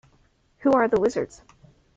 Who are the Wizards?